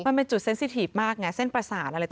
มันเป็นจุดเซ็นซีทีฟมากไงเส้นประสาทอะไร